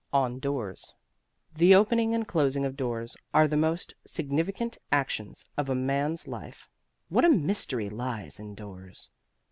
ON DOORS The opening and closing of doors are the most significant actions of man's life. What a mystery lies in doors!